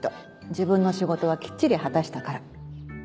自分の仕事はきっちり果たしたから。